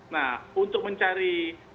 nah untuk mencari